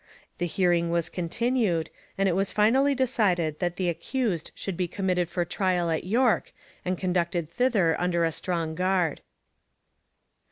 The hearing was continued, and it was finally decided that the accused should be committed for trial at York and conducted thither under a strong guard.